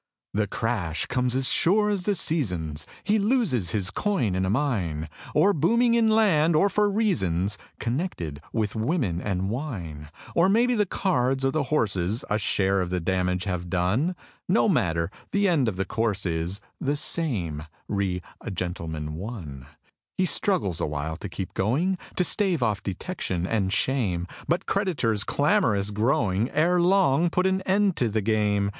The crash comes as sure as the seasons; He loses his coin in a mine, Or booming in land, or for reasons Connected with women and wine. Or maybe the cards or the horses A share of the damage have done No matter; the end of the course is The same: "Re a Gentleman, One". He struggles awhile to keep going, To stave off detection and shame; But creditors, clamorous growing, Ere long put an end to the game.